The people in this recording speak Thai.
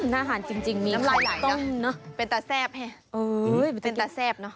น่าหาดจริงมีครับต้องนะเป็นตาแซ่บให้เป็นตาแซ่บเนอะ